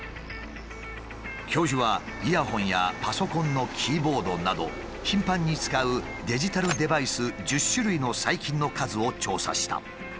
教授はイヤホンやパソコンのキーボードなど頻繁に使うデジタルデバイス１０種類の細菌の数を調査した。